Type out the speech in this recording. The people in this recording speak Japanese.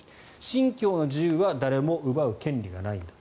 信教の自由は誰も奪う権利がないんだと。